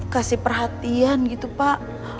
kasih perhatian gitu pak